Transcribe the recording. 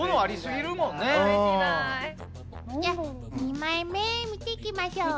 じゃ２枚目見ていきましょう。